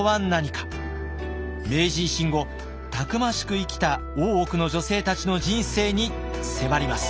明治維新後たくましく生きた大奥の女性たちの人生に迫ります。